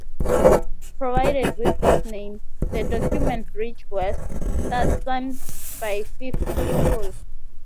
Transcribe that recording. Provided with these names, the document reached West, thus signed by fifty people.